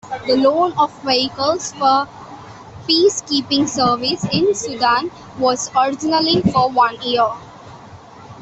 The loan of vehicles for peace-keeping service in Sudan was originally for one year.